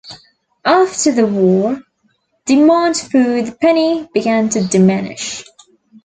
After the war, demand for the penny began to diminish.